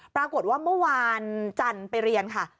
ปรากฏว่าเมื่อวานจันทร์ไปเรียนค่ะ